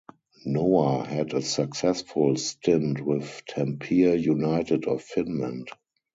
Noah had a successful stint with Tampere United of Finland.